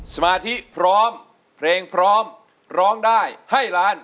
สมาธิพร้อมเพลงพร้อมร้องได้ให้ล้าน